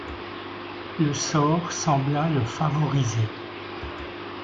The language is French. Le sort sembla le favoriser.